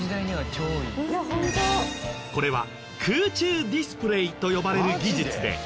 これは空中ディスプレイと呼ばれる技術で。